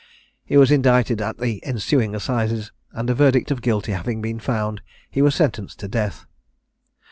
He was indicted at the ensuing assizes, and a verdict of guilty having been found, he was sentenced to death.